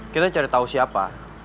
kita cari tau siapa